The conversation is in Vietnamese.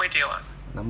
năm mươi triệu ạ